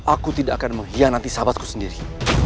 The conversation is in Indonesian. aku tidak akan mengkhianati sahabatku sendiri